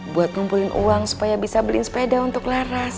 buat ngumpulin uang supaya bisa beli sepeda untuk laras